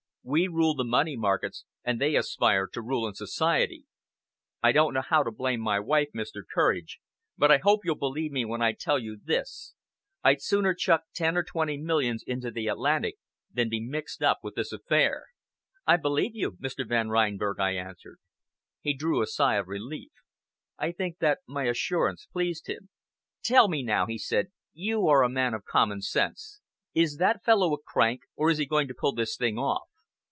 We rule the money markets, and they aspire to rule in society. I don't know how to blame my wife, Mr. Courage, but I hope you'll believe me when I tell you this: I'd sooner chuck ten or twenty millions into the Atlantic than be mixed up with this affair." "I believe you, Mr. Van Reinberg," I answered. He drew a sigh of relief. I think that my assurance pleased him. "Tell me now," he said; "you are a man of common sense. Is that fellow a crank, or is he going to pull this thing off?"